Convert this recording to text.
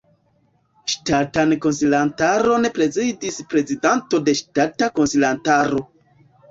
Ŝtatan Konsilantaron prezidis Prezidanto de Ŝtata Konsilantaro.